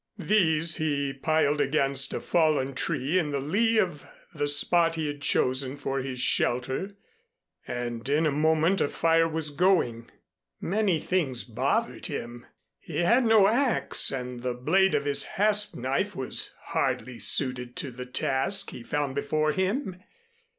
These he piled against a fallen tree in the lee of the spot he had chosen for his shelter and in a moment a fire was going. Many things bothered him. He had no axe and the blade of his hasp knife was hardly suited to the task he found before him.